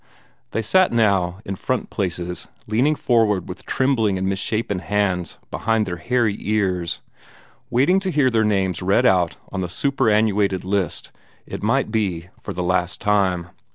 They sat now in front places, leaning forward with trembling and misshapen hands behind their hairy ears, waiting to hear their names read out on the superannuated list, it might be for the last time.